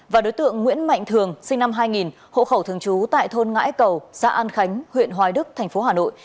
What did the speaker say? và đối tượng nguyễn mạnh thường sinh năm hai nghìn hộ khẩu thường trú tại thôn ngãi cầu xã an khánh huyện hoài đức thành phố hà nội